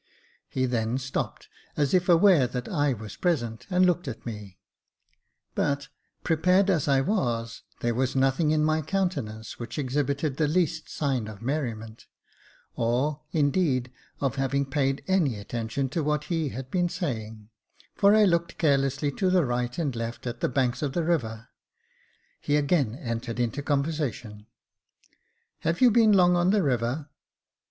He then stopped, as if aware that I was present, and looked at me ; but, prepared as I was, there was nothing in my countenance which ex hibited the least sign of merriment ; or, indeed, of having paid any attention to what he had been saying, for I looked carelessly to the right and left at the banks of the river. He again entered into conversation, " Have you been long on the river